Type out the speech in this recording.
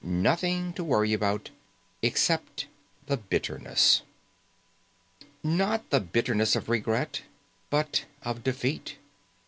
Nothing to worry about, except the bitterness. Not the bitterness of regret, but of defeat.